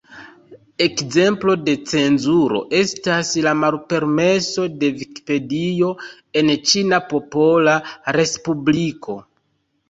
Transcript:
Ekzemplo de cenzuro estas la malpermeso de Vikipedio en Ĉina Popola Respubliko.